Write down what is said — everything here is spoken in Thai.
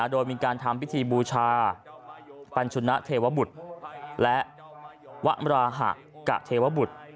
โดยมีการทำพิธีบูชาปัญชุณะเทวบุตรและวมราหะกะเทวบุตร